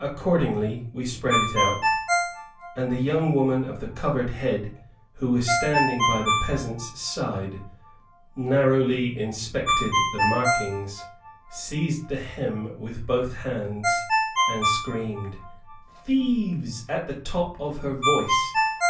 Accordingly, we spread it out, and the young woman of the covered head, who was standing by the peasant's side, narrowly inspected the markings, seized the hem with both hands, and screamed "Thieves!" at the top of her voice.